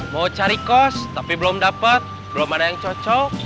mau cari kos tapi belum dapat belum ada yang cocok